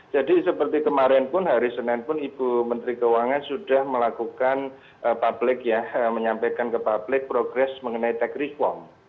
jadi seperti kemarin pun hari senin pun ibu menteri keuangan sudah melakukan public ya menyampaikan ke public progress mengenai tech reform